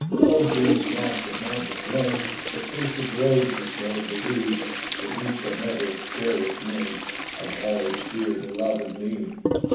O, greenest moss of mountain glen, The face of Rose is known to thee; But we shall never share with men A knowledge dear to love and me!